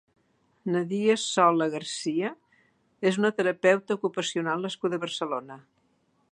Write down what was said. Nadia Sola García és una terapeuta ocupacional nascuda a Barcelona.